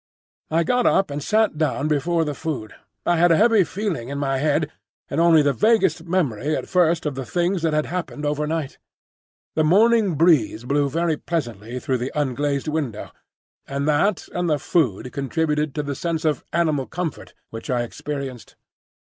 I got up and sat down before the food. I had a heavy feeling in my head, and only the vaguest memory at first of the things that had happened over night. The morning breeze blew very pleasantly through the unglazed window, and that and the food contributed to the sense of animal comfort which I experienced.